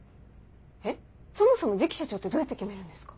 えっそもそも次期社長ってどうやって決めるんですか？